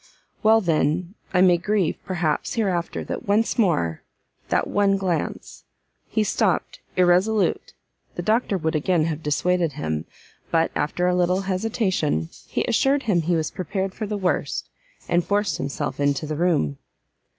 "Well, then, I may grieve, perhaps, hereafter, that once more that one glance!" He stopt, irresolute the doctor would again have dissuaded him, but, after a little hesitation, he assured him he was prepared for the worst, and forced himself into the room.